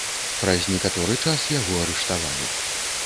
Праз некаторы час яго арыштавалі.